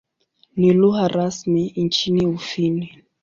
Ni lugha rasmi nchini Ufini.